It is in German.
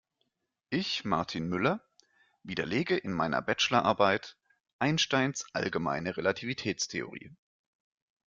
Ich, Martin Müller, widerlege in meiner Bachelorarbeit Einsteins allgemeine Relativitätstheorie.